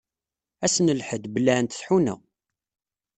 Ass n lḥedd, bellɛent tḥuna.